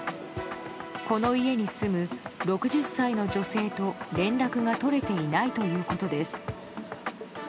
この家に住む６０歳の女性と連絡が取れていないということです。